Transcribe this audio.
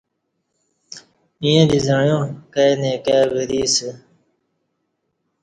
ییں دی زعیاں کائی نئی کائی وری اسہ